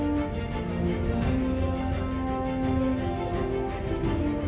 ไม่อยู่ช่วงที่หัวใจมีอะไรอยู่